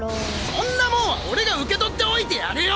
そんなモンは俺が受け取っておいてやるよ！